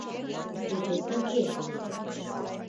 «Кузе тыге...